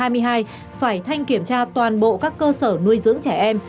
phải thanh kiểm tra toàn bộ các cơ sở nuôi dưỡng trẻ em